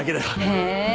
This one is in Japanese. へえ。